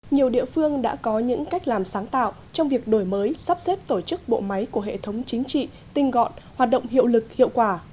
nhiều địa phương đã có những cách làm sáng tạo trong việc đổi mới sắp xếp tổ chức bộ máy của hệ thống chính trị tinh gọn hoạt động hiệu lực hiệu quả